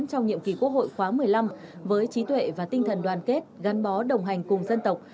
trong nhiệm kỳ quốc hội khóa một mươi năm với trí tuệ và tinh thần đoàn kết gắn bó đồng hành cùng dân tộc